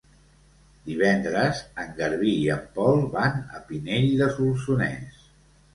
Divendres en Garbí i en Pol van a Pinell de Solsonès.